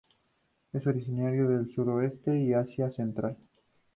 Es originario del suroeste y Asia Central.